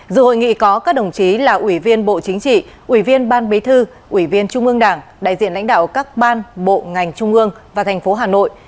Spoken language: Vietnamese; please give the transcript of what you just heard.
dự hội nghị có các đồng chí là ủy viên bộ chính trị ủy viên ban bí thư ủy viên trung ương đảng đại diện lãnh đạo các ban bộ ngành trung ương và thành phố hà nội